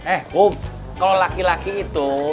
eh kalau laki laki itu